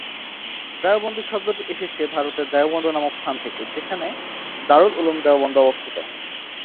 দেওবন্দি শব্দটি এসেছে ভারতের দেওবন্দ নামক স্থান থেকে যেখানে দারুল উলুম দেওবন্দ অবস্থিত।